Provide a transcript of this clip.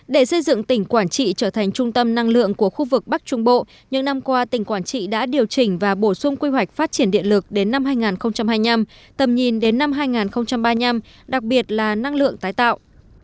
để xây dựng tỉnh quảng trị trở thành trung tâm năng lượng của khu vực bắc trung bộ những năm qua tỉnh quảng trị đã điều chỉnh và bổ sung quy hoạch phát triển điện lực đến năm hai nghìn hai mươi năm tầm nhìn đến năm hai nghìn ba mươi năm đặc biệt là năng lượng tái tạo